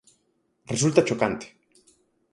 Resulta chocante.